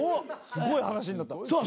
・すごい話になった。